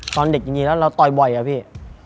ตอนเด็กอย่างนี้แล้วเราต่อยบ่อยอะพี่